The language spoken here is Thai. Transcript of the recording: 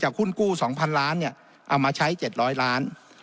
จากหุ้นกู้สองพันล้านเนี่ยเอามาใช้เจ็ดร้อยล้าน